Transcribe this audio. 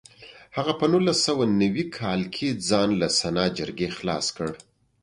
هغه په نولس سوه نوي کال کې ځان له سنا جرګې خلاص کړ.